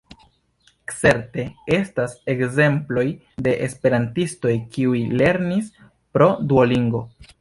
Certe estas ekzemploj de esperantistoj kiuj lernis pro Duolingo.